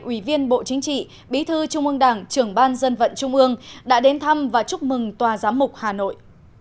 ủy viên bộ chính trị bí thư trung ương đảng trưởng ban dân vận trung ương đã đến thăm và chúc mừng tòa giám mục hà nội